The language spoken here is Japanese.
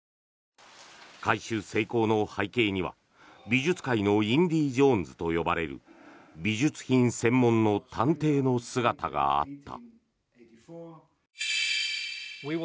回収成功の背景には美術界のインディ・ジョーンズと呼ばれる美術品専門の探偵の姿があった。